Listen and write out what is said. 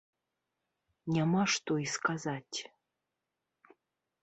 Няма што і сказаць.